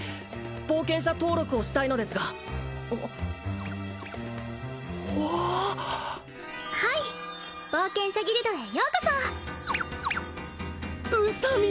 冒険者登録をしたいのですがはい冒険者ギルドへようこそうさ耳！